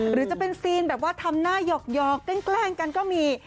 หรือจะเป็นซีนแบบว่าทำหน้าหยอกแกล้งกันก็มี